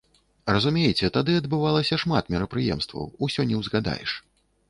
Разумееце, тады адбывалася шмат мерапрыемстваў, усё не ўзгадаеш.